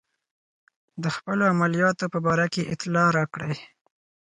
د خپلو عملیاتو په باره کې اطلاع راکړئ.